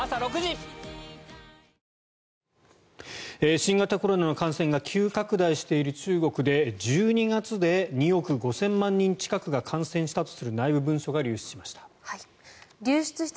新型コロナの感染が急拡大している中国で１２月で２億５０００万人近くが感染したとする内部文書が流出しました。